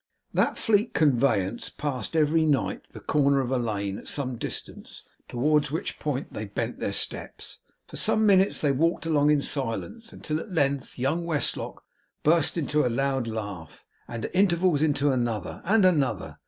That fleet conveyance passed, every night, the corner of a lane at some distance; towards which point they bent their steps. For some minutes they walked along in silence, until at length young Westlock burst into a loud laugh, and at intervals into another, and another.